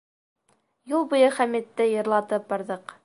Юл буйы Хәмитте йырлатып барҙыҡ.